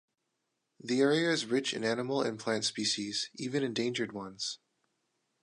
The area is rich in animal and plant species, even endangered ones.